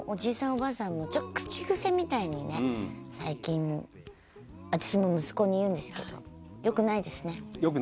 おばあさんも口癖みたいに最近、私も息子に言うんですけどよくないですね。